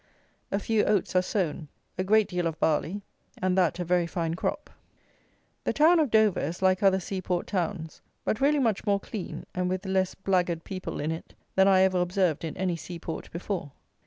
A few oats are sown. A great deal of barley, and that a very fine crop. The town of Dover is like other sea port towns; but really much more clean, and with less blackguard people in it than I ever observed in any sea port before.